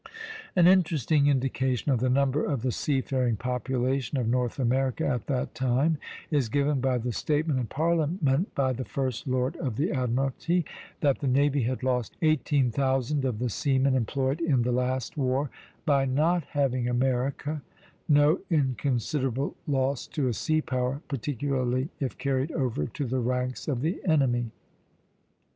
An interesting indication of the number of the seafaring population of North America at that time is given by the statement in Parliament by the First Lord of the Admiralty, "that the navy had lost eighteen thousand of the seamen employed in the last war by not having America," no inconsiderable loss to a sea power, particularly if carried over to the ranks of the enemy.